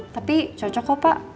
tapi cocok kok pak